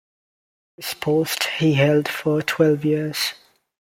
This post he held for twelve years.